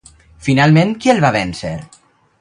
Finalment, qui el va vèncer?